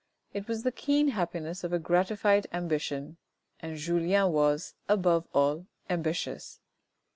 It was the keen happiness of a gratified ambition, and Julien was, above all, ambitious.